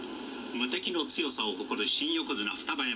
「無敵の強さを誇る新横綱双葉山。